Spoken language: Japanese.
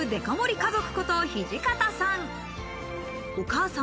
家族こと土方さん。